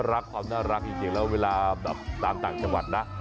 น่ารักความน่ารักอีกจริงก็เวลาตามต่างจังหวัดนะ